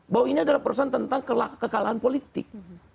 bahwa ini adalah perusahaan tentang kekalahan politik